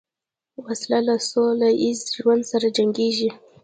وسله له سولهییز ژوند سره جنګیږي